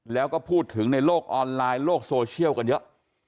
แล้วก็พูดถึงในโลกออนไลน์โลกโซเชียลกันเยอะ